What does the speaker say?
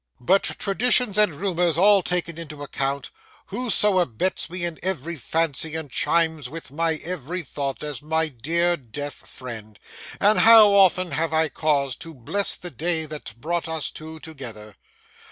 But traditions and rumours all taken into account, who so abets me in every fancy and chimes with my every thought, as my dear deaf friend? and how often have I cause to bless the day that brought us two together!